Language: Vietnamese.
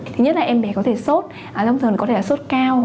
thứ nhất là em bé có thể sốt lông thường có thể sốt cao